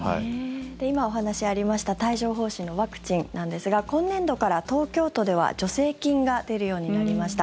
今、お話がありました帯状疱疹のワクチンなんですが今年度から東京都では助成金が出るようになりました。